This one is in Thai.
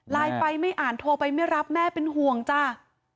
ไลน์ไปไม่อ่านโทรไปไม่รับแม่เป็นห่วงจ้า